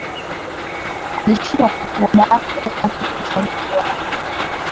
Alishindwa kufua dafu katika uchaguzi wa bunge